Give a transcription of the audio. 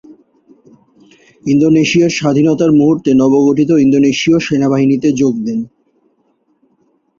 ইন্দোনেশিয়ার স্বাধীনতার মুহুর্তে নবগঠিত ইন্দোনেশীয় সেনাবাহিনীতে যোগ দেন।